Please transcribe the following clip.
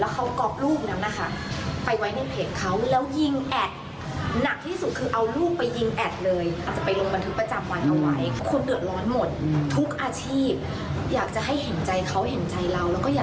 เขาบอกว่าเขาทำมานานมากไม่เคยโดนจับเลย